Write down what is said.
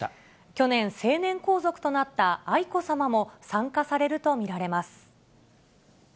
去年、成年皇族となった愛子さまも、参加されると見られます。